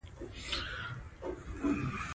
اجازه یې نه لرله چې قیمتي فلزات له ځان سره یوسي.